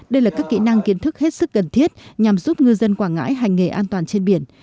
đây là các kỹ năng kiến thức hết sức cần thiết nhằm giúp ngư dân quảng ngãi hành nghề an toàn trên biển